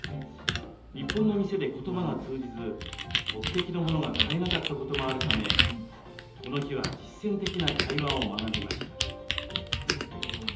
日本の店で言葉が通じず目的の物が買えなかったこともあるためこの日は実践的な会話を学びました。